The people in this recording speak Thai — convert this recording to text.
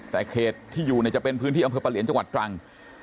แต่เขตที่อยู่จะเป็นพื้นที่อำเภอปะเหลียนจังหวัดตรัง